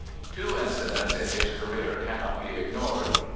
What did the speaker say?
Two incidents in his career cannot be ignored.